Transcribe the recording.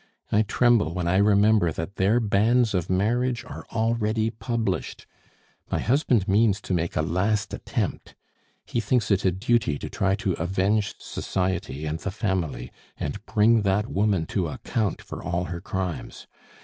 I tremble when I remember that their banns of marriage are already published! My husband means to make a last attempt; he thinks it a duty to try to avenge society and the family, and bring that woman to account for all her crimes.